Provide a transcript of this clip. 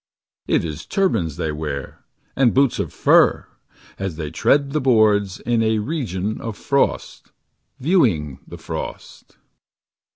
It is turbans they wear And boots of fur As they tread the boards In a region of frost, . Viewing the frost.